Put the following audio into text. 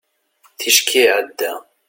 ticki iɛedda